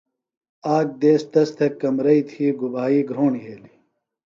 آک دیس تس تھےۡ کمرئی تھی گُبھائی گھرونڈ یھیلیۡ۔